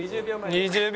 ２０秒！？